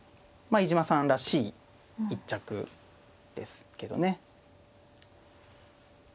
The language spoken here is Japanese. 飯島さんらしい一着ですけどね。